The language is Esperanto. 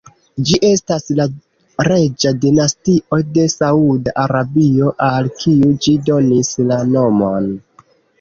Ĝi estas la reĝa dinastio de Sauda Arabio, al kiu ĝi donis la nomon.